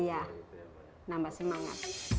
iya nambah semangat